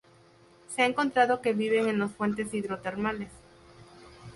Se ha encontrado que viven en los fuentes hidrotermales.